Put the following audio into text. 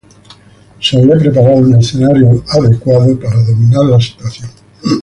Se había preparado un escenario adecuado para dominar la situación.